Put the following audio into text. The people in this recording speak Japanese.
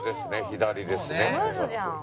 左ですね。